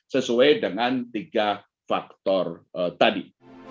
sesuai dengan tiga faktor tadi